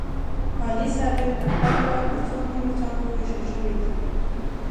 عالي سروې په خپل وار په څو نورو څانګو ویشل شوې ده